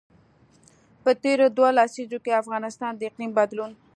په تېرو دوو لسیزو کې افغانستان د اقلیم بدلون.